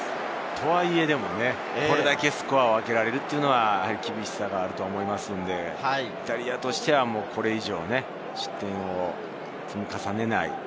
とはいえ、これだけスコアをあけられるのは、厳しさがあると思いますので、イタリアとしてはこれ以上、失点を積み重ねない。